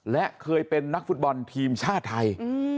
และเคยเป็นนักฟุตบอลทีมชาติไทย